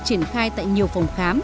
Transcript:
triển khai tại nhiều phòng khám